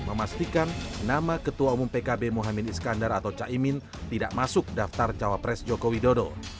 memastikan nama ketua umum pkb mohamad iskandar atau caimin tidak masuk daftar cawapres joko widodo